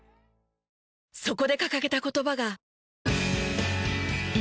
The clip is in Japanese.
そこで掲げた言葉が。